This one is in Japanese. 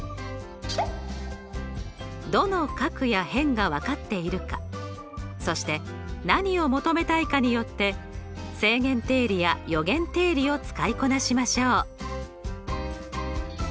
どの角や辺が分かっているかそして何を求めたいかによって正弦定理や余弦定理を使いこなしましょう。